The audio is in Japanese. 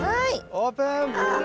オープン。